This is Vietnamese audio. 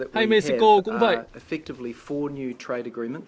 hay mexico cũng vậy